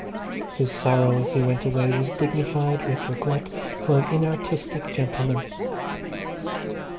His sorrow as he went away was dignified with regret for an inartistic gentleman.